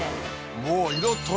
もう。